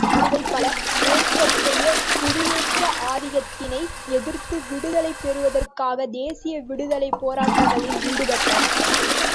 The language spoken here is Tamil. ஆசிய, ஆபிரிக்க நாடுகள் பல, மேற்கத்தைய குடியேற்ற ஆதிககத்தினை எதிர்த்து விடுதலை பெறுவதற்காகத் தேசிய விடுதலைப் போராட்டங்களில் ஈடுபட்டன.